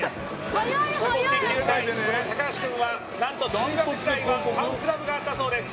広告研究会の高橋君は何と中学時代はファンクラブがあったそうです。